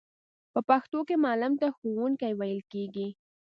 په پښتو کې معلم ته ښوونکی ویل کیږی.